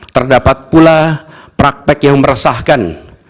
terdapat pula praktek yang meresahkan